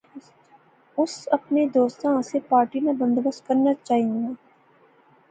اس اپنے دوستاں آسے پارٹی ناں بندوبست کرنا چاہنے آں